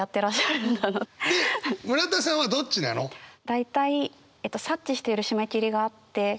大体察知している締め切りがあって。